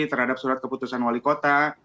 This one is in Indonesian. terhadap surat keputusan wali kota